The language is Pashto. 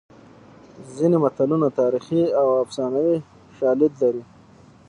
ځینې متلونه تاریخي او افسانوي شالید لري